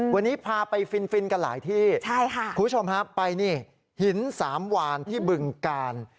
วันนี้พาไปฟินกันหลายที่คุณผู้ชมฮะไปนี่หินสามวานที่บึงกาล